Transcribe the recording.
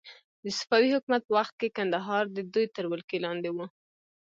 د صفوي حکومت په وخت کې کندهار د دوی تر ولکې لاندې و.